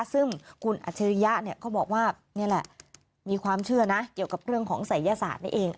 ซึ่งคุณอัจฉริยะเขาบอกว่านี่แหละมีความเชื่อนะเกี่ยวกับเรื่องของศัยยศาสตร์นี่เอง